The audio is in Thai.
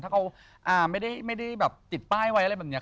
ถ้าเขาไม่ได้แบบติดป้ายไว้อะไรแบบนี้